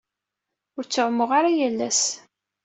Ur ttɛummuɣ ara yal ass.